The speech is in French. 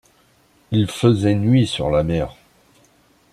Il faisait nuit sur la mer.